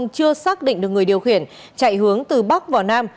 chưa xác định được người điều khiển chạy hướng từ bắc vào nam